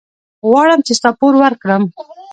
غواړم چې ستا پور ورکړم.